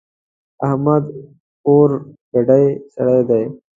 احمد اورګډی سړی دی.